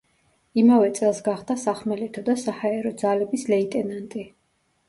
იმავე წელს გახდა სახმელეთო და საჰაერო ძალების ლეიტენანტი.